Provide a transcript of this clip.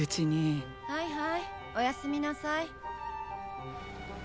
はいはいおやすみなさい。